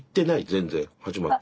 全然始まって。